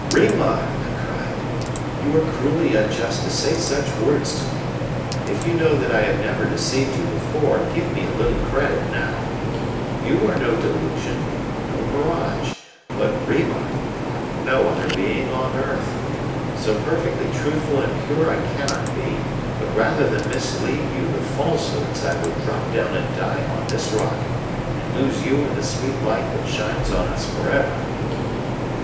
"Rima," I cried, "you are cruelly unjust to say such words to me. If you know that I have never deceived you before, give me a little credit now. You are no delusion no mirage, but Rima, like no other being on earth. So perfectly truthful and pure I cannot be, but rather than mislead you with falsehoods I would drop down and die on this rock, and lose you and the sweet light that shines on us for ever."